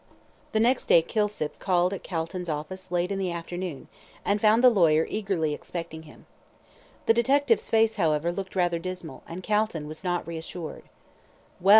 The next day Kilsip called at Calton's office late in the afternoon, and found the lawyer eagerly expecting him. The detective's face, however, looked rather dismal, and Calton was not reassured. "Well!"